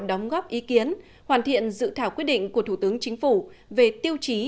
đóng góp ý kiến hoàn thiện dự thảo quyết định của thủ tướng chính phủ về tiêu chí